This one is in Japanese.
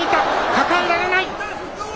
抱えられない。